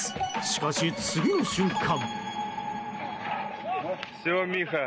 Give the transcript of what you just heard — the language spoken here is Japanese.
しかし、次の瞬間。